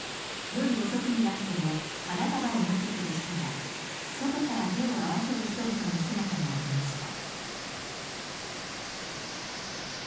夜遅くになっても花束を持ってくる人や、外から手を合わせる人々の姿がありました。